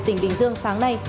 tỉnh bình dương sáng nay